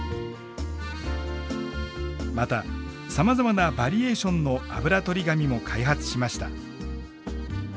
またさまざまなバリエーションのあぶらとり紙も開発しました。